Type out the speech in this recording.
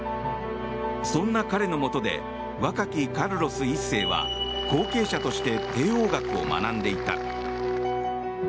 そんな彼のもとで若きカルロス１世は後継者として帝王学を学んでいた。